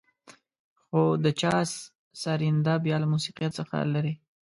خو د چا سرېنده بيا له موسيقيت څخه لېرې.